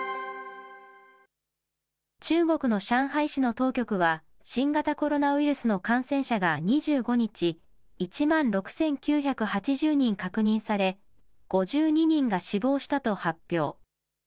中国の上海市の当局は、新型コロナウイルスの感染者が２５日、１万６９８０人確認され、５２人が死亡したと発表。